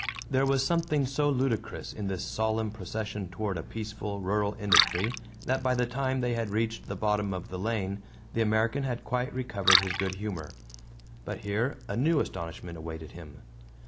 There was something so ludicrous in this solemn procession toward a peaceful, rural industry that by the time they had reached the bottom of the lane the American had quite recovered his good humor. But here a new astonishment awaited him.